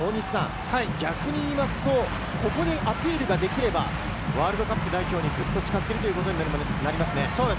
逆に言いますと、ここでアピールができれば、ワールドカップ代表にぐっと近づくということにもなりますよね。